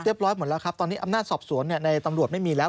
ร้อยหมดแล้วครับตอนนี้อำนาจสอบสวนในตำรวจไม่มีแล้ว